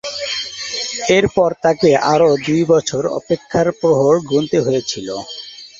এরপর তাকে আরও দুই বছর অপেক্ষার প্রহর গুণতে হয়েছিল।